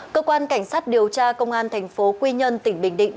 cơ quan cảnh sát điều tra công an thành phố quy nhơn tỉnh bình định